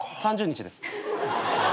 ３０日です。